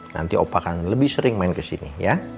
nanti opa akan lebih sering main kesini ya